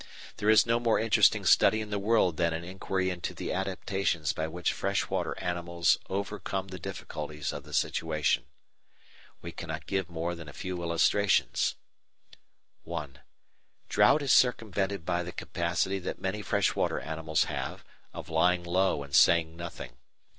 There is no more interesting study in the world than an inquiry into the adaptations by which freshwater animals overcome the difficulties of the situation. We cannot give more than a few illustrations. (1) Drought is circumvented by the capacity that many freshwater animals have of lying low and saying nothing.